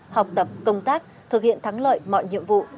học tập công tác thực hiện thắng lợi mọi nhiệm vụ